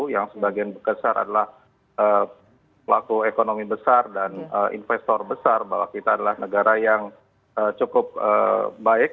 yang sebagian besar adalah pelaku ekonomi besar dan investor besar bahwa kita adalah negara yang cukup baik